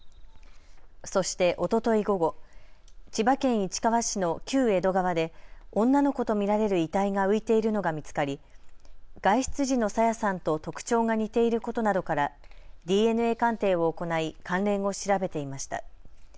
そしておととい午後、千葉県市川市の旧江戸川で女の子と見られる遺体が浮いているのが見つかり、外出時の朝芽さんと特徴が似ていることなどからＤＮＡ鑑定を行い関連を調べていました。